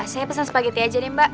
saya pesan spaghetti aja nih mbak